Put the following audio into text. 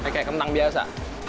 kayak kentang biasa